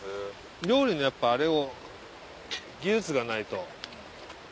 料理のやっぱあれを技術がないと。